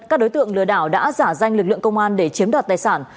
các đối tượng lừa đảo đã giả danh lực lượng công an để chiếm đoạt tài sản